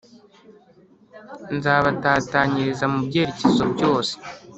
Nzabatatanyiriza mu byerekezo byose